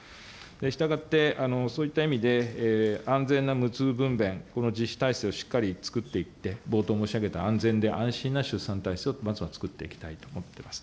したがってそういった意味で、安全な無痛分娩、この実施体制をしっかり作っていって、冒頭申し上げた安全で安心な出産体制をまずは作っていきたいと思っています。